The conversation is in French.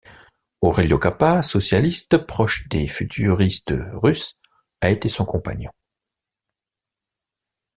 Aurelio Cappa, socialiste proche des futuristes russe a été son compagnon.